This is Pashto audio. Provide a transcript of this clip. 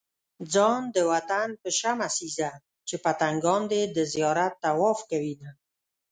ځان د وطن په شمع سيزه چې پتنګان دې د زيارت طواف کوينه